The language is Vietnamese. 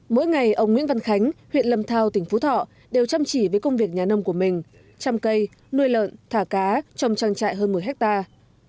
mỗi ngày ông nguyễn văn khánh huyện lâm thao tỉnh phú thọ đều chăm chỉ với công việc nhà nông của mình chăm cây nuôi lợn thả cá trong trang trại hơn một mươi hectare